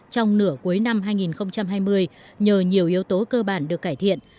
trong nửa cuối năm hai nghìn hai mươi nhờ nhiều yếu tố cơ bản được cải thiện